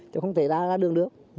chứ không thể ra đường nước